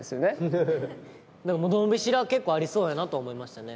伸びしろは結構ありそうやなと思いましたね。